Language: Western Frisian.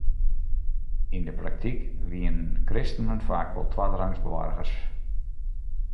Yn de praktyk wienen kristenen faak wol twadderangs boargers.